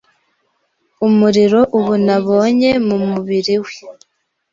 Umuriro ubu nabonye mu mubiri we